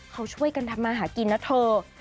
เขาช่วยกันทำมาหากินนะเธอ